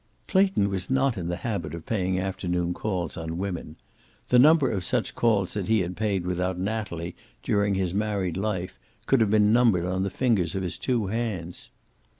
Clayton was not in the habit of paying afternoon calls on women. The number of such calls that he had paid without Natalie during his married life could have been numbered on the fingers of his two hands.